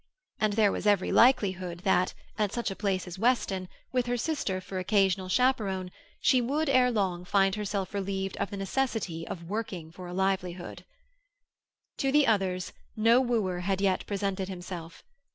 And there was every likelihood that, at such a place as Weston, with her sister for occasional chaperon, she would ere long find herself relieved of the necessity of working for a livelihood. To the others, no wooer had yet presented himself.